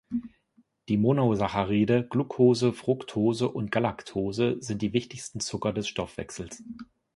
Die Monosaccharide Glucose, Fructose und Galactose sind die wichtigsten Zucker des Stoffwechsels.